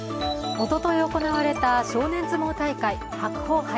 おととい行われた少年相撲大会、白鵬杯。